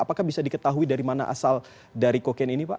apakah bisa diketahui dari mana asal dari kokain ini pak